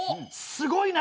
すごいな。